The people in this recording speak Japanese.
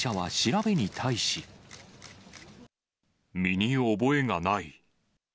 見に覚えがない。